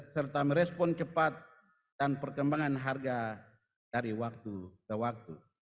serta merespon cepat dan perkembangan harga dari waktu ke waktu